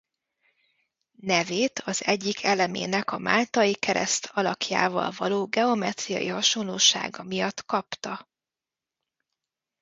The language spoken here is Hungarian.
Nevét az egyik elemének a máltai kereszt alakjával való geometriai hasonlósága miatt kapta.